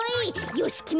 よしきめた。